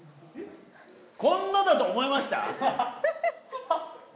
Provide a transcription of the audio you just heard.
こんなだと思いました？